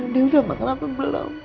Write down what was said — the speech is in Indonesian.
dia udah lama lama belum